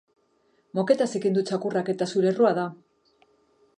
Moketa zikindu du txakurrak eta zure errua da.